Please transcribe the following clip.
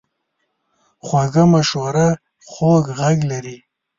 خوږه مشوره خوږ غږ لري.